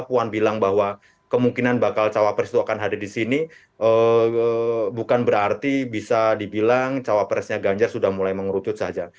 puan bilang bahwa kemungkinan bakal cawapres itu akan hadir di sini bukan berarti bisa dibilang cawapresnya ganjar sudah mulai mengerucut saja